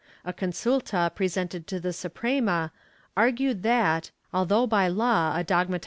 A con sulta presented to the Suprema argued that, although by law a * Bullar.